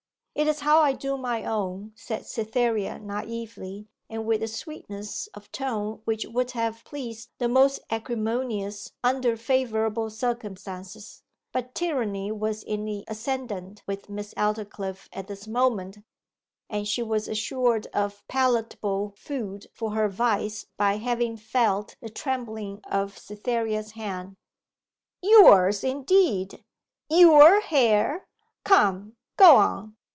'It is how I do my own,' said Cytherea naively, and with a sweetness of tone that would have pleased the most acrimonious under favourable circumstances; but tyranny was in the ascendant with Miss Aldclyffe at this moment, and she was assured of palatable food for her vice by having felt the trembling of Cytherea's hand. 'Yours, indeed! Your hair! Come, go on.